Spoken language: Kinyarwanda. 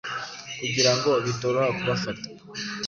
kugira ngo bitoroha kubafata.